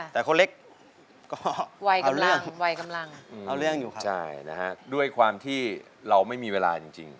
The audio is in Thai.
แต่คนเล็กก็เอาเรื่องอยู่ครับใช่นะครับด้วยความที่เราไม่มีเวลาจริง